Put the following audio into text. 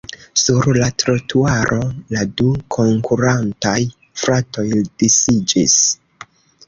Sur la trotuaro la du konkurantaj fratoj disiĝis.